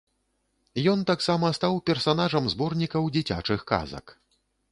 Ён таксама стаў персанажам зборнікаў дзіцячых казак.